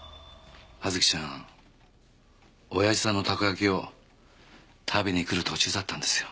葉月ちゃん親父さんのたこ焼きを食べに来る途中だったんですよ。